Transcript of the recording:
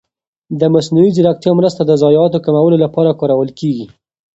د مصنوعي ځېرکتیا مرسته د ضایعاتو کمولو لپاره کارول کېږي.